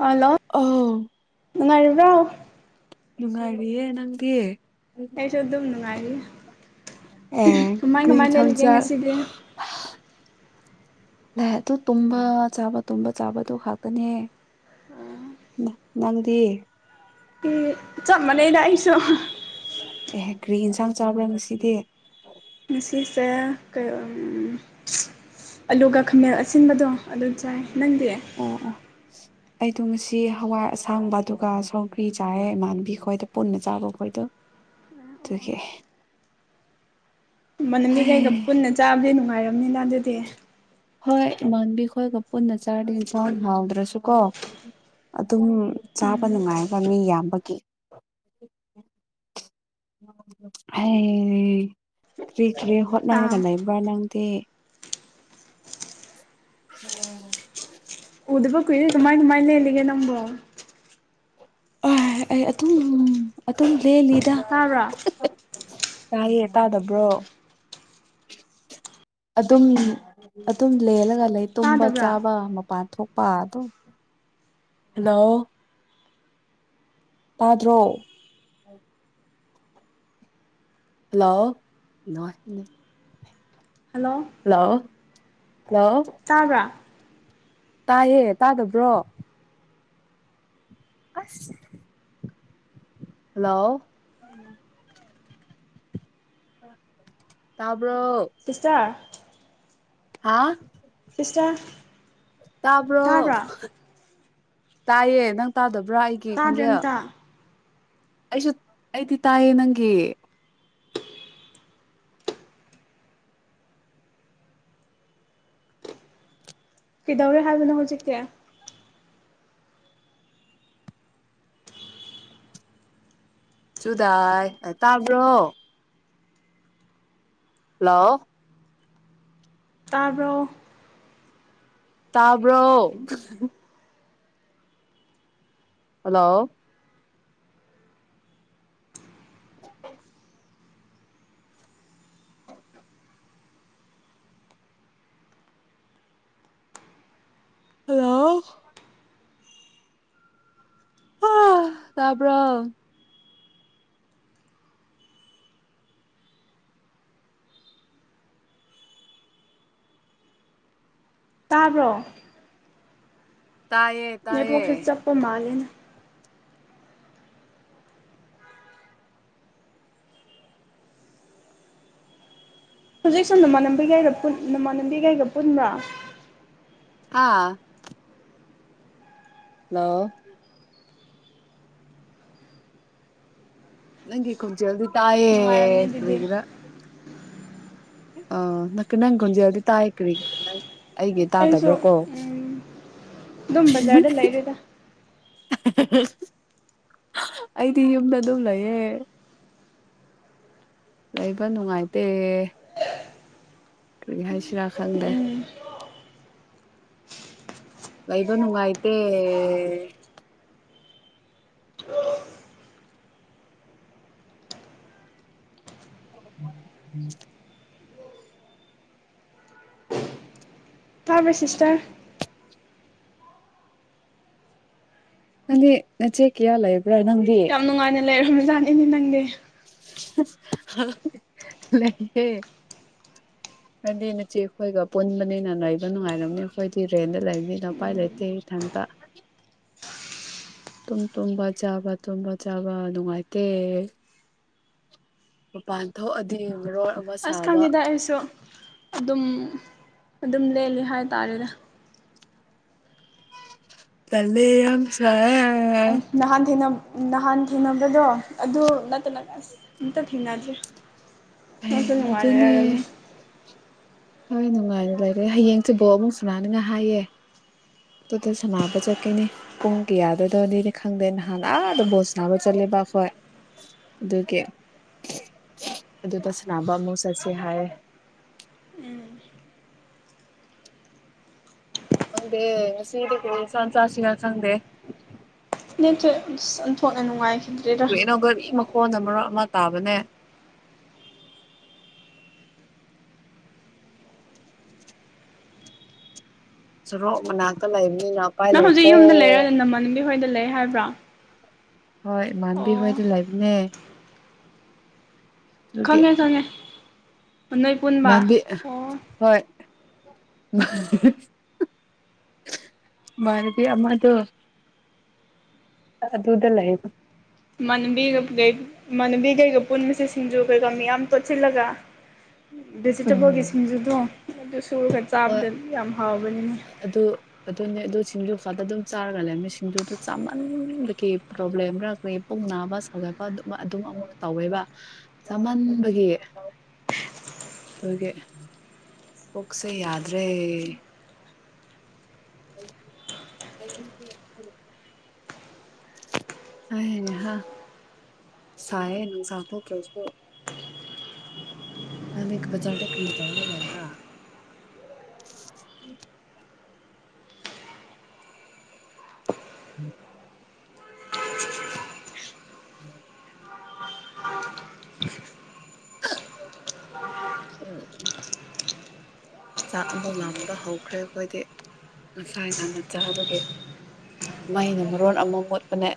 hello ꯑꯧ ꯉꯔꯤꯕ꯭ꯔꯣ ꯅꯨꯡꯉꯥꯏꯔꯤꯌꯦꯦ ꯅꯪꯗꯤ ꯑꯦ ꯆꯣꯗꯅꯅꯨꯡ ꯉꯔꯤ ꯑꯦ ꯀꯔꯤ ꯊꯪꯖ ꯉꯁꯤꯗꯤ ꯂ ꯑꯗꯨ ꯇꯨꯝꯕ ꯆꯥꯕ ꯇꯨꯝꯕ ꯆꯥꯕ ꯑꯗꯨ ꯈꯥꯛꯇꯅꯦ ꯅꯪꯗꯤ ꯎꯝ ꯆꯃꯅꯦꯗꯏꯁꯨꯣ ꯒꯥꯔꯤ ꯌꯦꯟꯁꯥꯡ ꯆꯥꯕ꯭ꯔꯥ ꯉꯁꯤꯗꯤ ꯉꯁꯤꯁꯦ ꯑꯂꯨꯒ ꯈꯥꯃꯦꯟ ꯑꯁꯤꯟꯕꯗꯣ ꯑꯗꯨ ꯆꯥꯏ ꯅꯪꯗꯤ ꯑꯣ ꯑꯩꯗꯣ ꯉꯁꯤ ꯍꯋꯥꯏ ꯑꯁꯥꯡꯕ ꯑꯗꯨꯒ ꯁꯧꯒ꯭ꯔꯤ ꯆꯥꯏꯌꯦꯦ ꯏꯃꯥꯟꯕꯤ ꯈꯣꯏꯗ ꯄꯨꯟꯅ ꯆꯥꯕ ꯈꯣꯏꯗꯣ ꯇꯗꯒꯤꯦ ꯃꯅꯝꯗꯤ ꯀꯩꯒ ꯄꯨꯟꯅ ꯆꯥꯕꯗꯤ ꯅꯨꯡꯉꯥꯏꯔꯝꯅꯤꯅ ꯑꯗꯨꯗꯤ ꯍꯣꯏ ꯏꯃꯥꯟꯕꯤꯈꯣꯏꯒ ꯄꯨꯟꯅ ꯆꯥꯔꯗꯤ ꯏꯟꯁꯥꯡ ꯍꯥꯎꯗ꯭ꯔꯁꯨ ꯀꯣ ꯑꯗꯨꯝ ꯆꯥꯕ ꯅꯨꯡꯉꯥꯏꯕ ꯃꯤ ꯌꯥꯝꯕꯒꯤ ꯑ [inaudible] ꯍ ꯀꯔꯤ ꯀ꯭ꯔꯤ ꯍꯣꯠꯅꯔꯒ ꯑꯥ ꯂꯩꯕ꯭ꯔꯥ ꯅꯪꯗꯤ ꯎꯝ [inaudible] ꯎꯗꯕ ꯀ ꯑꯗꯨꯃꯥꯏ ꯅꯨ ꯃꯥꯏꯅꯦ ꯂꯩꯒꯦ ꯅꯝꯕꯣ ꯑ ꯑꯩ ꯑꯗꯨꯝ ꯑꯗꯨꯝ ꯂꯦꯜꯂꯤꯗ ꯇꯥꯕ꯭ꯔꯥ ꯇꯥꯏꯌꯦ ꯇꯥꯗꯕ꯭ꯔꯣ ꯑꯗꯨꯝ ꯑꯗꯨꯝ ꯂꯂꯒ ꯂꯩ ꯇꯨꯝꯕ ꯇꯥꯗꯕ꯭ꯔꯥ ꯆꯥꯕ ꯃꯄꯥꯟ ꯊꯣꯛꯄ ꯑꯣ ꯍꯜꯂꯣ ꯄꯥꯗ꯭ꯔꯣ ꯍꯜꯂꯣ ꯍꯜꯂꯣ ꯍꯜꯂꯣ ꯇꯥꯕ꯭ꯔꯥ ꯇꯥꯏꯌꯦ ꯇꯥꯗꯕ꯭ꯔꯣ ꯍꯜꯂꯣ ꯇ [inaudible] ꯇꯁꯥ ꯍꯥ ꯁꯤꯁꯇꯔ ꯇꯄꯔ ꯇꯥꯕ꯭ꯔꯥ ꯇꯥꯏꯌꯦ ꯅꯪ ꯇꯥꯗꯕ꯭ꯔꯥ ꯑꯩꯒꯤ ꯇꯥꯗ꯭ꯔꯦ ꯈꯣꯟꯖꯦꯜ ꯑꯝꯇ ꯑꯩꯁꯨ ꯑꯩꯗꯤ ꯇꯥꯏꯦ ꯅꯪꯒꯤ ꯀꯗꯧꯔꯦ ꯍꯥꯅ ꯍꯖꯤꯀꯦ ꯆꯨꯗꯥꯥꯏ ꯇꯥꯕ꯭ꯔꯣ ꯍꯜꯂꯣ ꯇꯥꯔꯕꯣ ꯇꯥꯕ꯭ꯔꯣ ꯍꯜꯂꯣ ꯍꯜꯂꯣ ꯍ ꯇꯥꯕꯔꯣ ꯇꯥꯕ꯭ꯔꯣ ꯇꯥꯏꯌꯦ ꯅꯦꯠ ꯇꯥꯏꯌꯦ ꯋꯥꯛꯁꯦ ꯆꯞꯄ ꯃꯥꯂꯦꯅꯦ ꯍꯨꯖꯤꯛꯁꯨ ꯅꯃꯥꯟꯕꯤꯒꯩꯒ ꯄꯨꯟ ꯅꯃꯥꯟꯅꯕꯤꯒꯩꯒ ꯄꯨꯟꯕꯔꯣ ꯑꯥ ꯂꯣ ꯅꯪꯒꯤ ꯈꯖꯜꯗꯤ ꯇꯥꯏꯌꯦ ꯅꯨꯡꯉꯥꯏꯔꯝꯅꯤ ꯑꯗꯨꯗꯤ ꯀꯔ꯭ꯤꯒꯤꯔ ꯑ ꯅꯀ ꯅꯪ ꯒꯣꯟꯖꯦꯜꯗꯤ ꯇꯥꯏ ꯀꯔꯤꯒ ꯑꯩꯒꯤ ꯑꯩꯁꯨ ꯇꯥꯗꯕ꯭ꯔꯥꯀꯣ ꯎꯝ ꯑꯗꯨꯝ ꯕꯖꯥꯔꯗ ꯂꯩꯔꯦꯗ ꯑꯩꯗꯤ ꯌꯨꯝꯗ ꯑꯗꯨꯝ ꯂꯩꯌꯦ ꯂꯩꯕ ꯅꯨꯡꯉꯥꯏꯇꯦ ꯀꯔꯤ ꯍꯥꯏꯁꯤꯔꯥ ꯈꯪꯗꯦ ꯎꯝ ꯂꯩꯕ ꯅꯨꯑꯥꯏꯇꯦ ꯎꯝ ꯇꯥꯕꯔ꯭ ꯁꯤꯁꯇꯔ ꯅꯪꯗꯤ ꯅꯆꯦ ꯀꯌꯥ ꯂꯩ ꯌꯥꯝ ꯅꯨꯡꯉꯥꯏꯅ ꯂꯩꯔꯝꯕꯖꯥꯠꯅꯤꯅꯦ ꯅꯪꯗꯤ ꯂꯩꯌꯦ [inaudible] ꯍꯥꯏꯗꯤ ꯅꯆꯦ ꯈꯣꯏꯒ ꯄꯨꯟꯕꯅꯤꯅ ꯅꯩꯕ ꯅꯨꯡꯉꯥꯏꯔꯝꯅꯤ ꯈꯣꯏꯗꯤ ꯔꯦꯟꯗ ꯂꯩꯕꯅꯤꯅ ꯎꯄꯥꯏ ꯂꯩꯇꯦ ꯊꯪ [inaudible] [inaudible] ꯇꯨꯝ ꯇꯨꯝꯕ ꯆꯥꯕ ꯇꯨꯝꯕ ꯆꯥꯕ ꯅꯨꯡꯉꯥꯏꯇꯦ ꯃꯄꯥꯟ ꯊꯣꯛꯑꯗꯤꯔꯣ ꯑꯁ ꯈꯪꯗꯦꯗ ꯑꯩꯁꯨ ꯑꯗꯨꯝ ꯑꯗꯨꯝ ꯂꯦꯂꯦ ꯍꯥꯏꯇꯥꯔꯦꯗ ꯇꯜꯂꯦ ꯌꯥꯝꯁꯥꯌꯦ ꯑꯁ ꯅꯍꯥꯟꯅ ꯊꯦꯡꯅꯝ ꯅꯍꯥꯟ ꯊꯦꯡꯅꯕꯗꯣ ꯑꯗꯨ ꯅꯠꯇꯅ ꯑꯁ ꯑꯝꯇ ꯊꯦꯡꯅꯗꯔꯦ ꯑꯦ ꯉꯁꯨ ꯑꯗꯨꯅꯦ ꯅꯨꯡꯉꯥꯏꯅꯔꯒꯅꯤ ꯍꯣꯏ ꯅꯨꯡꯉꯥꯏꯅ ꯂꯩꯔꯦ ꯍꯌꯦꯡꯁꯤ ꯕꯣꯜ ꯃꯨꯛ ꯁꯥꯅꯥꯅꯤꯡꯉꯥꯏ ꯍꯥꯏꯌꯦ ꯇꯨꯗ ꯁꯥꯟꯅꯕ ꯆꯠꯀꯅꯤ ꯄꯨꯡ ꯀꯌꯥꯗꯣꯏꯗꯅꯤ ꯈꯪꯗꯦ ꯅꯍꯥꯟ ꯑꯥꯗ ꯕꯣꯜ ꯁꯥꯅꯥꯕ ꯆꯠꯂꯦꯕ ꯑꯈꯣꯏ ꯗꯨꯒꯤ [inaudible] ꯑꯗꯨꯗ ꯁꯅꯥꯕ ꯃꯨꯛ ꯆꯠꯁꯦ ꯍꯥꯏꯌꯦ ꯎꯝ ꯈꯪꯗꯦ ꯉꯥꯁꯤꯗꯤ ꯀꯔꯤ ꯏꯟꯁꯥꯡ ꯆꯥꯁꯤꯔ ꯈꯪꯗꯦ ꯅꯠꯇꯔꯦ ꯑꯁ ꯑꯣꯟꯊꯣꯛꯅ ꯅꯨꯡꯉꯥꯏ ꯀꯩꯅꯣ ꯒꯥꯔꯤ ꯃꯈꯣꯟ ꯑꯃ ꯃꯔꯛ ꯑꯃ ꯇꯥꯕꯅꯦ ꯁꯣꯔꯣꯛ ꯃꯅꯥꯛꯇ ꯂꯩꯝꯅꯤ ꯅꯪ ꯍꯧꯖꯤꯛ ꯌꯨꯝꯗ ꯂꯩꯔ ꯅꯃꯅꯕꯤ ꯍꯣꯏꯗ ꯂꯩ ꯍꯥꯏꯕ꯭ꯔꯣ ꯍꯣꯏ ꯃꯥꯟꯕꯤ ꯍꯣꯏ ꯗꯨ ꯂꯩꯞꯅꯦ ꯈꯪꯉꯦ ꯈꯉꯦ ꯕꯥꯟꯗꯤ ꯍꯣꯏ ꯃꯥꯔꯗꯤ ꯑꯃꯗꯣ ꯑꯗꯨꯗ ꯂꯩꯕ ꯃꯥꯟꯅꯕꯤꯒꯒꯩ ꯃꯥꯟꯅꯕꯤꯒꯩꯒ ꯄꯨꯟꯕꯁꯦ ꯁꯤꯡꯖꯨ ꯀꯩꯀꯥ ꯃꯤ ꯌꯥꯝ ꯇꯣꯠꯁꯤꯜꯂꯒ ꯚꯦꯖꯤꯇꯦꯕꯜꯒꯤ ꯎꯝ ꯁꯤꯡꯖꯗꯣ ꯑꯗꯨꯁ ꯇꯨꯔꯒ ꯍꯣꯏ ꯆꯥꯕꯗ ꯌꯥꯝ ꯍꯥꯎꯕꯅꯤꯅ ꯑꯗꯥ ꯑꯗꯨꯝ ꯆꯥꯔꯒ ꯂꯩ ꯃꯤ ꯁꯤꯡꯖꯨꯗꯨ ꯆꯥꯃꯟꯕꯒꯤ ꯄ꯭ꯔꯣꯕ꯭ꯂꯦꯝꯒ ꯑꯩꯈꯣꯏ ꯄꯨꯛ ꯅꯥꯕ ꯁꯧꯒꯠꯄ ꯗꯨꯝ ꯑꯗꯨꯝ ꯑꯃꯨꯛ ꯇꯧꯋꯦꯕ ꯆꯥꯃꯟꯕꯒꯤ ꯑꯗꯨꯒꯤ ꯐꯨꯛꯁꯦ ꯌꯥꯗ꯭ꯔꯦ [inaudible] ꯍꯥꯏꯌꯦꯅꯦ ꯍꯥ ꯁꯥꯏꯌꯦ ꯅꯨꯡꯁꯥ ꯊꯣꯛꯇ꯭ꯔꯥꯖꯨ ꯅꯪꯗꯤ ꯕꯖꯥꯔꯗ ꯀꯔꯤ ꯇꯧꯔꯥꯒ ꯂꯩꯕ꯭ꯔꯥ ꯎꯝ [unintelligible] ꯎꯝ [unintelligible] [inaudible] ꯎꯝ [unintelligible] [inaudible] ꯆꯥꯛ ꯑꯃꯨꯛ ꯂꯝꯕ ꯍꯧꯈ꯭ꯔꯦ ꯑꯈꯣꯏꯗꯤ ꯉꯁꯥꯏ ꯉꯟꯅ ꯆꯥꯕꯒꯤ ꯃꯩꯅ ꯃꯔꯣꯟ ꯑꯃ ꯃꯨꯠꯄꯅꯦ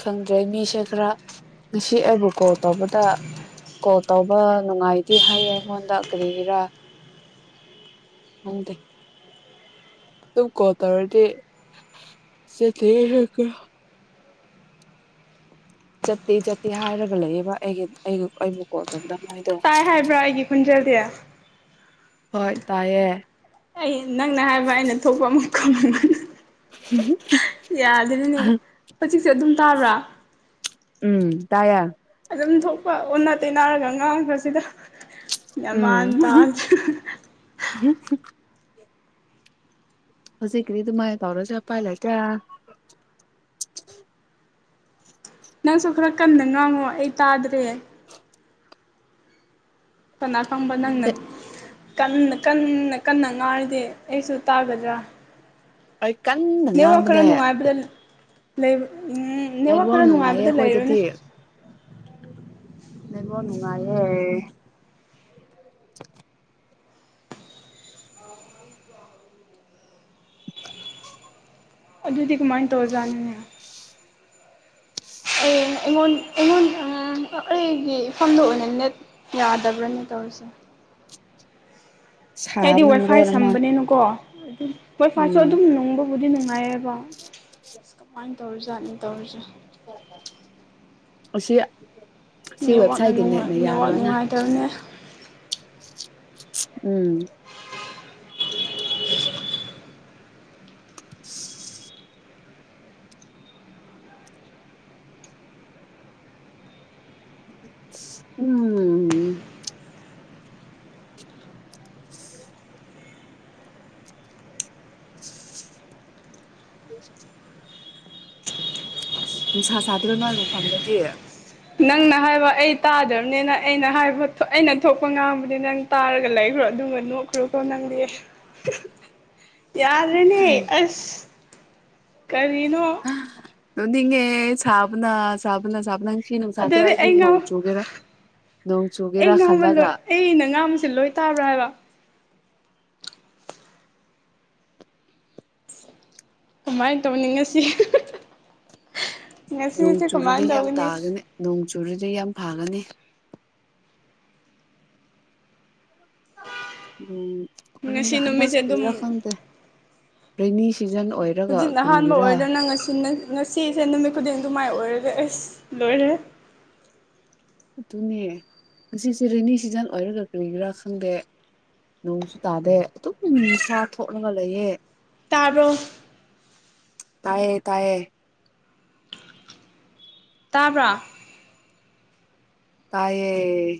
ꯈꯪꯗ꯭ꯔꯦ ꯃꯤꯁꯦ ꯈꯔ ꯉꯁꯤ ꯑꯩꯕꯨ ꯀꯣꯜ ꯇꯧꯕꯗ ꯀꯣꯜ ꯇꯧꯕ ꯅꯨꯡꯉꯥꯏꯇꯦ ꯍꯥꯏꯌꯦ ꯑꯩꯉꯣꯟꯗ ꯀꯔꯤꯒꯤꯔꯥ ꯈꯪꯗꯦ ꯇꯨꯡ ꯀꯣꯜꯇꯧꯔꯥꯗꯤ ꯆꯦꯛꯀꯤꯌꯤ ꯍꯦꯛꯇꯥ ꯆꯠꯇꯦ-ꯆꯠꯇꯦ ꯍꯥꯏꯔꯒ ꯂꯩꯌꯦꯕ ꯑꯩꯒꯤ-ꯑꯩꯒꯤ ꯑꯩꯕꯨ ꯀꯣꯜ ꯇꯧꯕꯗ ꯃꯣꯏꯗꯣ ꯇꯥꯏ ꯍꯥꯏꯕ꯭ꯔꯥ ꯑꯩꯒꯤ ꯈꯨꯟꯖꯦꯜꯗꯤ ꯍꯣꯏ ꯇꯥꯏꯌꯦ ꯑꯩ ꯅꯪꯅ ꯍꯥꯏꯕ ꯑꯩꯅ ꯊꯣꯛꯄ ꯑꯃꯥ ꯈꯨꯝ [unintelligible] ꯍꯤ-ꯍꯤ-ꯍꯤ ꯌꯥꯗꯦꯗꯥꯅꯦ ꯍꯨꯖꯤꯛꯖꯨ ꯑꯗꯨꯝ ꯇꯥꯕ꯭ꯔꯥ ꯎꯝ ꯇꯥꯏꯌꯦ ꯑꯨꯟꯊꯣꯛꯄ ꯑꯣꯟꯅ ꯇꯩꯅꯥꯔꯒ ꯉꯥꯡꯕꯖꯤꯗ ꯌꯥꯃꯥꯟ ꯇꯥ ꯍꯤꯡ-ꯍꯤꯡ-ꯍꯤꯡ ꯍꯧꯖꯤꯛ ꯀꯔꯤ ꯑꯗꯨꯃꯥꯏ ꯀꯧꯔꯥꯖꯤꯃꯥꯏ ꯄꯥꯏ ꯂꯩꯄ꯭ꯔꯥ ꯅꯪꯁꯨ ꯈꯔ ꯀꯟꯅ ꯉꯥꯡꯉꯣ ꯑꯩ ꯇꯥꯗ꯭ꯔꯦ ꯀꯅꯥ ꯈꯪꯕꯥ ꯅꯪꯅ ꯀꯟꯅ-ꯀꯟꯅ-ꯀꯟꯅ ꯉꯥꯏꯗꯦ ꯑꯩꯁꯨ ꯇꯥꯒꯥꯗ꯭ꯔꯥ ꯑꯩ ꯀꯟꯅ ꯅꯦꯋꯥꯛ ꯈꯔꯥ ꯉꯥꯡꯕꯅꯦ ꯅꯨꯡꯉꯥꯏꯕꯗ ꯂꯩꯕ ꯎꯝ ꯅꯦꯋꯥꯛ ꯅꯦꯠꯋꯥꯛ ꯈꯔ ꯅꯨꯡꯉꯥꯏꯌꯦ ꯅꯨꯡꯉꯥꯏꯕꯗ ꯂꯩꯔꯨꯅꯦ ꯑꯩꯈꯣꯏꯗꯗꯤ ꯅꯦꯠꯋꯥꯛ ꯅꯨꯡꯉꯥꯏꯌꯦ [inaudible] ꯑꯗꯨꯗꯤ ꯀꯃꯥꯏ ꯇꯧꯔꯥꯖꯥꯠꯅꯦ ꯑꯥ ꯑꯩꯉꯣꯟ-ꯑꯩꯉꯣꯟ ꯑꯥ ꯑꯩꯒꯤ ꯏꯐꯝꯗ ꯑꯣꯏꯅ ꯅꯦꯠ ꯌꯥꯗꯕ꯭ꯔꯥ ꯅꯦ ꯇꯧꯔꯤꯁꯦ ꯑꯦꯗꯤ ꯁꯥꯕꯅ ꯋꯥꯏꯐꯥꯏ ꯃꯔꯣꯟ ꯑꯃ ꯁꯝꯕꯅꯤꯅꯦꯀꯣ ꯑꯗꯨꯝꯋꯥꯏꯐꯥꯏꯁꯨ ꯎꯝ ꯑꯗꯨꯝ ꯅꯨꯡꯕꯨꯗꯤ ꯅꯨꯡꯉꯥꯏꯌꯦꯕ ꯀꯃꯥꯏ ꯇꯧꯔꯤꯖꯥꯠꯅꯤ ꯇꯧꯔꯤꯖꯦ ꯑꯁꯤ ꯁꯤ ꯅꯦꯠꯋꯥꯛꯅ ꯋꯦꯕꯁꯥꯏꯗꯤ ꯅꯨꯡꯉꯥꯏ ꯅꯦꯠꯅ ꯅꯦꯠꯋꯥꯛ ꯌꯥꯗꯕꯅ ꯅꯨꯡꯉꯥꯏꯇꯕꯅꯦ ꯎꯝ [inaudible] [inaudible] ꯎꯝ [inaudible] ꯑ [inaudible] ꯅꯨꯡꯁꯥ ꯁꯥꯗ꯭ꯔꯥ ꯅꯣꯏ ꯃꯐꯝꯗꯗꯤ ꯅꯪꯅ ꯍꯥꯏꯕ ꯑꯩ ꯇꯥꯗꯝꯅꯤꯅ ꯑꯩꯅ ꯍꯥꯏꯕ ꯊꯣꯛ ꯑꯩꯅ ꯊꯣꯛꯄ ꯉꯥꯡꯕꯅꯦ ꯅꯪ ꯇꯥꯔꯒ ꯂꯩ ꯣ ꯑꯗꯨꯒꯝꯕ ꯅꯣꯛꯈ꯭ꯔꯣꯀꯣ ꯅꯪꯗ ꯌꯥꯗꯦꯅꯦ ꯑꯁ [inaudible] ꯀꯔꯤꯅꯣ ꯑꯗꯨꯅꯤꯡꯉꯦ ꯁꯥꯕꯅ ꯁꯥꯕꯅ ꯁꯥꯕꯅ ꯁꯤ ꯁꯥꯖꯩ ꯑꯗꯨꯗꯤ ꯍꯥꯏꯁꯤ ꯑꯩ ꯉꯧ ꯉꯥꯎ ꯆꯨꯒꯦꯔꯥ ꯅꯣꯡ ꯑꯩ ꯆꯨꯒꯦꯔꯥ ꯉꯥꯃ ꯈꯜꯂꯒ ꯂꯣꯏ ꯑꯩꯅ ꯉꯥꯡꯁꯦ ꯂꯣꯏ ꯇꯥꯕ꯭ꯔꯥ ꯍꯥꯏꯕ ꯀꯃꯥꯏꯅ ꯇꯧꯅꯤꯡꯉꯁꯤ ꯅꯣꯡ ꯆꯨꯔꯨꯗꯤ ꯌꯥꯝ ꯇꯥꯒꯅꯤ ꯅꯣꯡ ꯆꯨꯨꯔꯨꯗꯤ ꯌꯥꯝ ꯐꯥꯒꯅꯤ ꯀꯗ ꯉꯁꯤ ꯅꯨꯃꯤꯠꯁꯦ ꯍꯟꯗꯛꯁꯤ ꯑꯗꯨꯝ ꯀꯩꯔ ꯈꯪꯗꯦ ꯔꯅꯤꯁ ꯍꯧꯖꯤꯛ ꯑꯍꯥꯟꯕ ꯑꯣꯏꯔꯅ ꯉ ꯁꯤꯁꯦ ꯅꯨꯃꯤꯠ ꯈꯨꯗꯤꯡ ꯑꯗꯨ ꯃꯥꯏ ꯑꯣꯏꯔꯒꯦ ꯑꯩꯁ ꯂꯣꯏꯔꯦ ꯑꯗꯨꯅꯦ ꯉꯁꯤꯁꯦ ꯔꯦꯅꯤ ꯁꯤꯖꯟ ꯑꯣꯏꯔꯒ ꯀꯔꯤꯒꯤꯔꯥ ꯈꯪꯗꯦ ꯅꯣꯡꯁꯨ ꯇꯥꯗꯦ ꯑꯗꯨꯝ ꯅꯤꯁꯥ ꯊꯣꯛꯂꯒ ꯂꯩꯌꯦ ꯇꯕꯔꯣ ꯇꯥꯏꯌꯦ ꯇꯥꯌꯦ ꯇꯥꯕ꯭ꯔꯥ ꯇꯌꯦꯌꯦ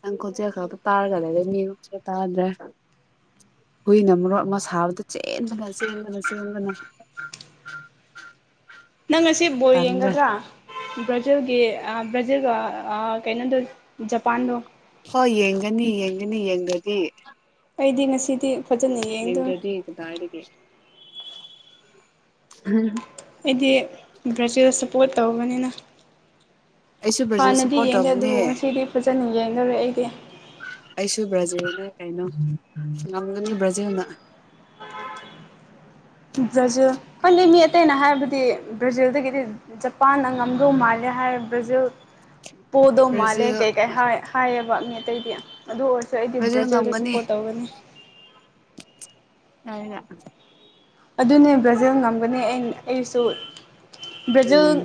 ꯌꯥꯝꯪ ꯀꯣꯏꯆꯦ ꯈ ꯇꯥꯔꯒꯗꯦꯗ ꯇꯗ꯭ꯔꯦ ꯍꯨꯏꯅ ꯃꯔꯣ ꯑꯃ ꯁꯥꯕꯗ ꯆꯦꯟꯕꯅ ꯆꯦꯟꯕꯅ ꯆꯦꯟꯕꯅ ꯅꯪ ꯉ ꯑꯁꯤ ꯕꯣꯏ ꯇꯜꯂꯦ ꯌꯦꯡꯒꯗ꯭ꯔꯥ ꯕ꯭ꯔꯥꯖꯤꯜꯒꯤ ꯕ꯭ꯔꯥꯖꯤꯜꯒ ꯀꯩꯅꯣꯗꯣ ꯖꯄꯥꯟꯗꯣ ꯍꯣꯏ ꯌꯦꯡꯒꯅꯤ ꯌꯦꯡꯒꯅꯤ ꯌꯦꯡꯒꯗꯤ ꯑꯩꯗꯤ ꯉꯁꯤꯗꯤ ꯐꯖꯅ ꯌꯦꯡꯗꯣꯏꯔ ꯌꯦꯡꯗ꯭ꯔꯗꯤ ꯀꯗꯥꯏꯗꯒꯤ ꯎꯝ ꯑꯩꯗꯤ ꯕ꯭ꯔꯥꯖꯤꯜꯗ ꯁꯞꯄꯣꯔꯠ ꯇꯧꯕꯅꯤꯅ ꯑꯩꯁꯨ ꯕ꯭ꯔꯥꯖꯤꯜ ꯍꯥꯟꯅꯗꯤ ꯁꯞꯄꯣꯔꯠ ꯌꯦꯡꯗꯦ ꯇꯧꯕꯅꯦ ꯑꯗꯨꯕꯨ ꯉꯁꯤꯗꯤ ꯐꯖꯅ ꯌꯦꯡꯗꯔꯦ ꯑꯩꯗꯤ ꯑꯩꯁꯨ ꯕ꯭ꯔꯥꯖꯤꯜꯅꯦ ꯀꯩꯅꯣ ꯉꯝꯒꯅꯤ ꯕ꯭ꯔꯥꯖꯤꯜꯅ [unintelligible] [inaudible] ꯕ꯭ꯔꯥꯖꯤꯜ ꯑꯩꯈꯣꯏꯂꯤ ꯃꯤ ꯑꯇꯩꯅ ꯍꯥꯏꯔꯕꯗꯤ ꯕ꯭ꯔꯥꯖꯤꯜꯗꯒꯤꯗꯤ ꯖꯄꯥꯟꯅ ꯉꯝꯗꯧ ꯃꯥꯜꯂꯦ ꯍꯥꯏꯔ ꯕ꯭ꯔꯖꯤꯜ ꯄꯣꯗꯧ ꯃꯥꯜꯂꯦ ꯕ꯭ꯔꯥꯖꯤꯜ ꯀꯩꯀꯩ ꯍꯥꯏꯌꯦꯕ ꯃꯤ ꯑꯇꯩꯗꯤ ꯑꯗꯨ ꯑꯣꯏꯔꯁꯨ ꯑꯩꯗꯤ ꯕ꯭ꯔꯥꯖꯤꯜ ꯕ꯭ꯔꯥꯖꯤꯜꯗ ꯉꯝꯒꯅꯤ ꯁꯞꯄꯣꯔꯠ ꯇꯧꯒꯅꯤ ꯑ [inaudible] ꯑꯗꯨꯅꯦ ꯕ꯭ꯔꯥꯖꯤꯜ ꯉꯝꯒꯅꯤ ꯑꯩꯁꯨ ꯕ꯭ꯔꯥꯖꯤꯜ ꯎꯝ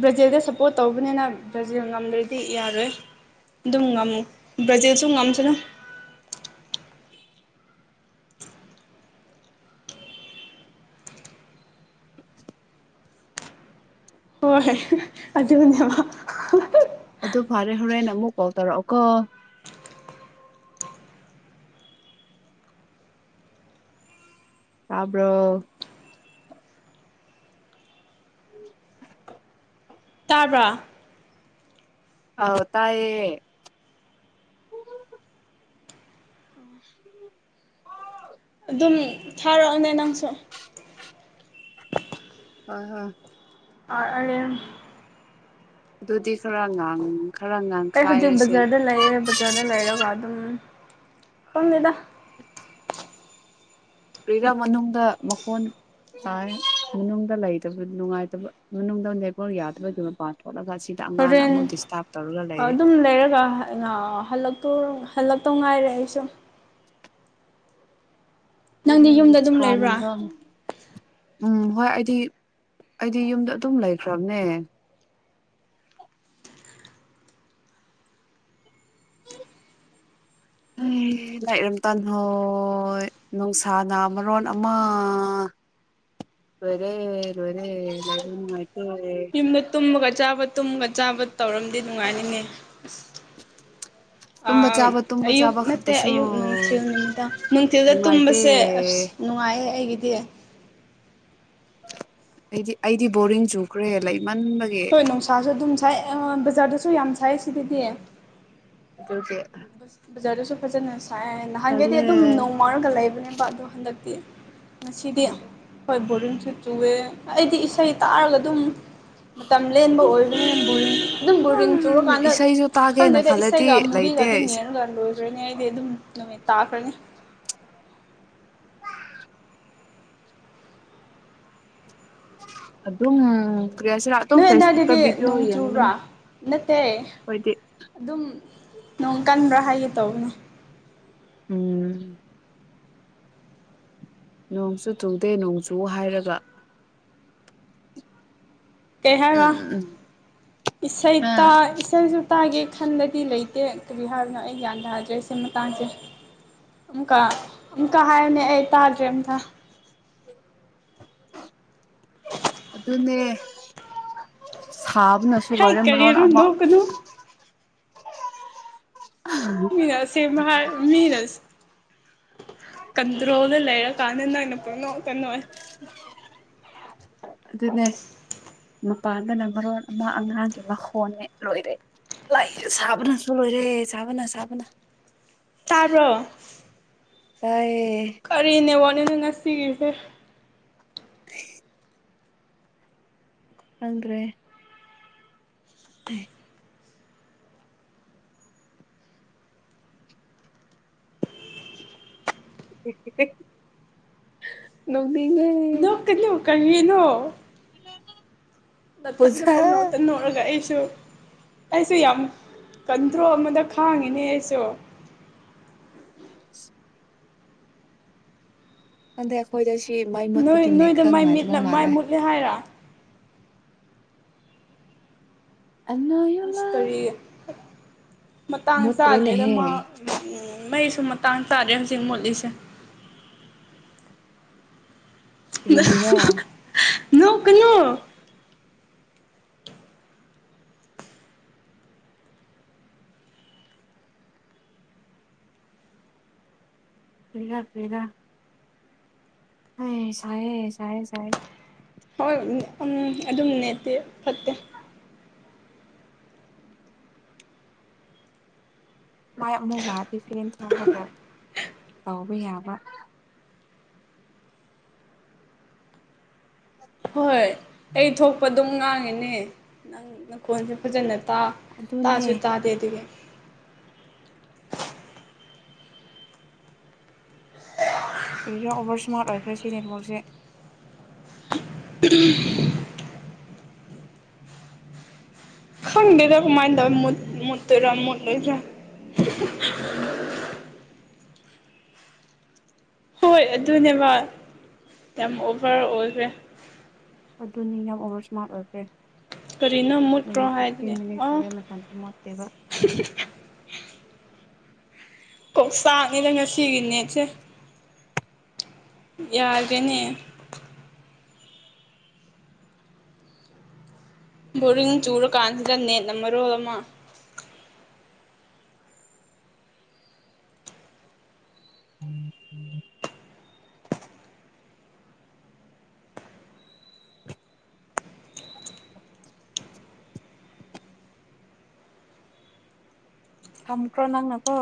ꯕ꯭ꯔꯥꯖꯤꯜꯗ ꯁꯞꯄꯣꯔꯠ ꯇꯧꯕꯅꯤꯅ ꯕ꯭ꯔꯥꯖꯤꯜ ꯉꯝꯗ꯭ꯔꯗꯤ ꯌꯥꯔꯣꯏ ꯑꯗꯨꯝ ꯉꯝꯃꯨ ꯕ꯭ꯔꯥꯖꯤꯜꯁꯨ ꯉꯝꯁꯤꯅ ꯍꯣꯏ ꯍꯣꯏ ꯑꯗꯨꯕꯨꯅꯦꯕ ꯐꯥꯎ ꯇꯧꯔꯛꯑꯣꯀꯣ ꯇꯥꯕ꯭ꯔꯣ [unintelligible] [inaudible] ꯇꯥꯕ꯭ꯔꯥ ꯑꯥꯎ ꯇꯌꯦ ꯎ ꯍꯥꯎ ꯑꯗꯨꯝ ꯊꯥꯔꯛꯑꯅꯦ ꯅꯪꯁꯨ ꯑ [inaudible] [unintelligible] ꯑ ꯑ [inaudible] ꯑꯗꯨꯗꯤ ꯈꯔꯉꯥꯡꯪ ꯑꯩ ꯍꯧꯖꯤꯛ ꯕꯖꯥꯔꯗ ꯂꯩꯌꯦ ꯕꯖꯥꯔꯗ ꯂꯩꯔꯒ ꯑꯗꯨꯝ ꯈꯪꯃꯦꯦꯗ ꯄꯔꯤꯔꯝ ꯃꯅꯨꯡꯗ ꯃꯈꯣꯟ ꯇꯥꯏ ꯃꯅꯨꯡꯗ ꯂꯩꯇꯕ ꯅꯨꯡꯉꯥꯏꯇꯕ ꯃꯅꯨꯡꯗꯦꯛꯥꯎ ꯌꯥꯗꯕꯒꯤ ꯄꯥꯂ ꯆꯁꯤ ꯍꯣꯔꯦꯟ ꯑꯗꯨꯝ ꯂꯩꯔꯒ ꯍꯜꯂꯛ ꯑꯗꯨ ꯍꯜꯂꯞꯛꯇꯧ ꯉꯥꯏꯔꯦ ꯑꯩꯁꯨ ꯅꯪꯗꯤ ꯀꯅꯦ ꯌꯨꯝꯗ ꯑꯗꯨꯝ ꯂꯩꯕ꯭ꯔꯥ ꯁꯥꯅꯕꯅꯕ꯭ꯔ ꯎꯝ ꯍꯣꯏ ꯑꯩꯗꯤ ꯑꯩꯗꯤ ꯌꯨꯝꯗ ꯑꯗꯨꯝ ꯂꯩꯈ꯭ꯔꯕꯅꯦ [inaudible] ꯂꯥꯏꯔꯝ ꯇꯥꯟꯍꯣꯏ ꯅꯨꯡꯁꯥ ꯃꯔꯣꯟ ꯑꯃ [inaudible] ꯂꯣꯏꯔꯦ ꯂꯣꯏꯔꯦ ꯂꯩꯕ ꯅꯨꯡꯉꯥꯏ ꯌꯨꯝꯗ ꯇꯨꯝꯃꯒ ꯆꯥꯕ ꯇꯨꯝꯃꯒ ꯆꯥꯕ ꯇꯧꯔꯝꯗꯤ ꯅꯨꯡꯉꯥꯏꯅꯤꯡꯉ ꯇꯨꯝꯕ ꯆꯥꯕ ꯑꯁ [inaudible] ꯇꯨꯝꯕ ꯑꯌꯨꯛ ꯆꯥꯕ ꯅꯠꯇꯦ ꯈꯛꯇꯁꯨ ꯑꯌꯨꯛ ꯅꯨꯡꯊꯤꯜ ꯅꯨꯃꯤꯗꯥꯡ ꯅꯨꯡꯊꯤꯜꯗ ꯅꯨꯡꯉꯥꯏꯇꯦ ꯇꯨꯝꯕꯁꯦ ꯑꯁ ꯅꯨꯡꯉꯥꯏ ꯃꯥꯏꯌꯦ ꯑꯩꯒꯤꯗꯤ ꯑꯩꯗꯤ ꯑꯩꯗꯤ ꯕꯣꯔꯤꯡ ꯆꯨꯈ꯭ꯔꯦ ꯂꯩ ꯍꯣꯏ ꯅꯨꯡꯁꯥꯁꯨ ꯑꯗꯨꯝ ꯁꯥꯏ ꯕꯖꯥꯔꯗꯁꯨ ꯌꯥꯝ ꯁꯥꯏ ꯁꯤꯗꯗꯤ ꯑꯗꯨꯒꯤ ꯕꯖꯥꯔꯗꯁꯨ ꯐꯖꯅ ꯁꯥꯏ ꯅꯍꯥꯟꯒꯩꯗꯤ ꯇꯜꯂꯦ ꯑꯗꯨꯝ ꯅꯣꯡ ꯃꯥꯥꯎꯔꯒ ꯂꯩꯕꯅꯦꯕ ꯑꯗꯣ ꯍꯟꯗꯛꯇꯤ ꯉꯁꯤꯗꯤ ꯍꯣꯏ ꯕꯣꯔꯤꯡꯁꯨꯦ ꯆꯨꯑꯦ ꯑꯩꯗꯤ ꯏꯁꯩ ꯇꯥꯔꯒ ꯑꯗꯨꯝ ꯃꯇꯝ ꯂꯦꯟꯕ ꯑꯣꯏꯕꯅꯤꯅ ꯕꯨꯔꯤꯡ ꯑꯗꯨꯝ ꯕꯨꯔꯤꯡ ꯆꯨꯔꯀꯥꯟꯗ ꯏꯁꯩꯁꯨ ꯈꯪꯗꯦ ꯇꯥꯒꯦꯅ ꯏꯁꯩꯦ ꯈꯜꯂꯗꯤ ꯀꯝꯃꯕꯤ ꯀ ꯂꯩꯇꯦ ꯑꯗꯨꯝ ꯌꯦꯒ ꯂꯣꯏꯈ꯭ꯔꯅꯤ ꯑꯩꯗꯤ ꯑꯗꯨꯝ ꯅꯨꯃꯤꯠ ꯇꯥꯈ꯭ꯔꯅꯤ ꯑꯗꯨꯝ ꯀꯔꯤ ꯍꯥꯏꯁꯤꯔꯥ ꯑꯗꯨꯝ ꯅꯣꯏ ꯐꯦꯁꯕꯨꯛꯇ ꯑꯗꯨꯗꯥꯋꯥꯏꯒꯤꯗꯤ ꯚꯤꯗꯤꯑꯣ ꯅꯣꯡ ꯆꯨꯕ꯭ꯔꯥ ꯌꯦꯡꯕꯅꯦ ꯅꯠꯇꯦ ꯑꯩꯈꯣꯏꯗꯤ ꯑꯗꯨꯝ ꯅꯣꯡ ꯀꯟꯕ꯭ꯔꯥ ꯍꯥꯏꯒꯦ ꯇꯧꯕꯅꯦ ꯎꯝ ꯅꯣꯡ ꯆꯨ ꯆꯨꯗꯦ ꯅꯣꯡ ꯆꯨ ꯍꯥꯏꯔꯒ ꯀꯩ ꯍꯥꯏꯕ ꯎꯝ ꯎꯝ ꯏꯁꯩ ꯍꯥ ꯇ ꯏꯁꯩ ꯁꯨ ꯇꯥꯒꯦ ꯈꯟꯗꯗꯤ ꯂꯩꯇꯦ ꯀꯔꯤ ꯍꯥꯏꯕꯅꯣ ꯑꯩ ꯒ꯭ꯌꯥꯟ ꯇꯥꯖ꯭ꯔꯦ ꯁꯤ ꯃꯇꯥꯡꯁꯦ ꯑꯝꯀ ꯑꯃꯨꯀ ꯍꯥꯏꯅꯦ ꯑꯩ ꯇꯥꯗ꯭ꯔꯦ ꯑꯝꯇ ꯑꯗꯨꯅꯦ ꯊꯥꯕꯅꯁꯨ ꯍꯩ ꯂꯣꯏꯔꯝꯕ ꯂꯣꯟ ꯀꯔꯤꯔꯣ ꯑꯃ ꯅꯣꯛꯀꯅꯨ ꯃꯤꯅ ꯑꯁꯦꯡꯕ ꯍꯥꯏꯔꯒ ꯃꯤꯅ ꯀꯟꯗ꯭ꯔꯣꯗ ꯂꯩꯔ ꯀꯥꯟꯅ ꯅꯪꯅ ꯄꯨꯅꯣꯛꯇ ꯅꯣꯛ ꯑꯦ [inaudible] ꯑꯗꯨꯅꯦ ꯃꯄꯥꯟꯗꯅ ꯃꯔꯣꯟ ꯑꯃ ꯑꯉꯥꯡꯒꯤ ꯃꯈꯣꯟꯅꯦ ꯂꯣꯏꯔꯦ ꯂꯥꯛꯏꯔꯦ ꯁꯥꯕꯅꯁꯨ ꯂꯣꯏꯔꯦ ꯁꯥꯕꯅ ꯁꯥꯕꯅ ꯇꯕ꯭ꯔꯣ ꯇꯌꯦ ꯀꯔꯤ ꯅꯦꯠꯋꯛꯔꯠ ꯉꯁꯤꯒꯤꯁꯦ [inaudible] ꯑꯗ꯭ꯔꯦ [inaudible] ꯍꯦ ꯍꯦ ꯅꯣꯛꯅꯤꯡꯉꯦ ꯅꯣꯛꯀꯅꯨ ꯀꯔꯤꯅꯣ ꯃꯊꯟꯗ ꯑꯣꯖꯥ ꯄꯪꯅꯣꯛꯇ ꯅꯧꯛꯔꯒ ꯑꯩꯁꯨ ꯑꯩꯁꯨ ꯌꯥꯝ ꯀꯟꯊ꯭ꯔꯣ ꯑꯃꯗ ꯈꯥꯡꯉꯤꯅꯦ ꯑꯩꯁꯨ [inaudible] ꯍꯟꯗꯩ ꯑꯩꯈꯣꯏꯗ ꯁꯤ ꯃꯥꯏ ꯅꯣꯏ ꯃꯨꯠꯄꯒꯤꯅꯦ ꯅꯣꯏꯗ ꯈꯔ ꯃꯥꯏ ꯃꯤꯠꯂ ꯅꯨꯡꯉꯥꯏꯗꯕ ꯃꯥꯏ ꯃꯥꯜꯂꯦ ꯃꯨꯠꯂꯦ ꯍꯥꯏꯔ ꯑꯩ ꯅꯣ ꯑꯁ ꯀꯔꯤ ꯃꯇꯥꯡ ꯆꯥꯗ꯭ꯔꯦꯗ ꯃꯨꯠꯇ꯭ꯔꯦꯅꯦꯍꯦ ꯃꯥ ꯎꯝ ꯃꯩꯁꯨ ꯃꯇꯥꯡ ꯇꯥꯔꯦ ꯍꯧꯖꯤꯛ ꯃꯣꯠꯂꯤꯁꯦ ꯀꯔꯤꯔꯥ ꯅꯣꯛꯀꯂꯨ [unintelligible] ꯑꯁ ꯁꯥꯏꯌꯦ ꯁꯥꯏꯌꯦ ꯁꯥꯏ ꯍꯣꯏ ꯎꯝ ꯑꯗꯨꯝ ꯅꯦꯠꯇꯦ ꯐꯠꯇꯦ ꯃꯥꯏ ꯑꯃꯨ ꯂꯥꯛꯑꯗꯤ ꯐ꯭ꯔꯦꯟ ꯊꯥꯕꯗ ꯇꯧꯕ ꯌꯥꯕ ꯍꯣꯏ ꯍꯣꯏ ꯑꯩ ꯊꯣꯛꯄ ꯑꯗꯨꯝ ꯉꯥꯡꯉꯤꯅꯦ ꯅꯪ ꯅꯈꯣꯟꯁꯦ ꯐꯖꯅ ꯇꯥ ꯑꯗꯨꯅꯦ ꯇꯥꯁꯨ ꯇꯥ ꯗꯦꯗꯨꯒꯦ ꯀꯔꯤꯥ ꯑꯣꯕꯔ ꯏꯁꯃꯥꯔꯠ ꯑꯣꯏꯈ꯭ꯔꯦ ꯁꯤ ꯅꯦꯠꯋꯥꯛꯁꯦ ꯇ [unintelligible] ꯈꯪꯗꯦꯗ ꯀꯃꯥꯏꯅ ꯇꯧꯋꯤ ꯃꯨ ꯃꯨꯠꯇꯣꯏꯔꯥ ꯃꯨꯠꯂꯣꯏꯗꯔꯥ [inaudible] ꯍꯣꯏ ꯑꯗꯨꯅꯦꯕ ꯌꯥꯝ ꯑꯣꯚꯔ ꯑꯣꯏꯈ꯭ꯔꯦ ꯑꯗꯨꯅꯤ ꯌꯥꯝ ꯑꯣꯕꯔ ꯏꯁꯃꯥꯔꯠ ꯑꯣꯏꯈ꯭ꯔꯦ ꯀꯔꯤꯅ ꯃꯨꯠꯄ ꯑꯗꯨꯅꯦ ꯐꯤꯐꯇꯤꯟ ꯍꯥꯏꯗꯤ ꯃꯤꯅꯤꯠ ꯁꯨꯔꯦ ꯃꯇꯝꯁꯨ ꯃꯣꯠꯇꯦꯕ ꯀꯣꯛꯆꯛꯅꯤꯅ ꯉꯁꯤꯒꯤ ꯅꯦꯠꯁꯦ ꯌꯥꯗꯦꯅꯦ ꯕꯣꯔꯤꯡ ꯆꯨꯔ ꯀꯥꯥꯟꯁꯤꯗ ꯅꯦꯠ ꯅꯃꯔꯣꯜ ꯑꯃ [inaudible] ꯊꯝꯈ꯭ꯔꯣ ꯅꯪꯅꯀꯣ